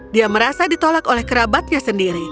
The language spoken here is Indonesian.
dia merasa ditolak oleh kerabatnya sendiri